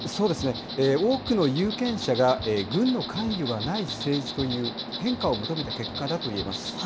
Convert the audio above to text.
多くの有権者が軍の関与がない政治という、変化を求めた結果だといえます。